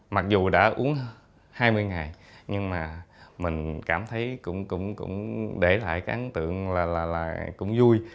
mặc dù đã uống hơn hai mươi ngày nhưng mà mình cảm thấy cũng để lại cái ấn tượng là cũng vui